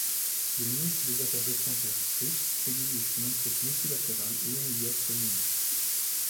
Le ministre des Affaires étrangères russe exige qu’une enquête multilatérale et immédiate soit menée.